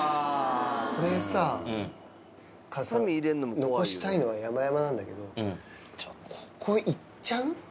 これさ、残したいのはやまやまなんだけど、ちょっとここいっちゃう？